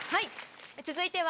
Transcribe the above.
続いては。